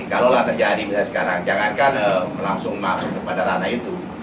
ini kalau lah terjadi bisa sekarang jangankan langsung masuk kepada ranah itu